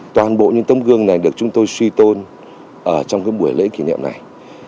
toàn bộ những tấm gương này được chúng tôi suy tôn ở trong buổi lễ kỷ niệm này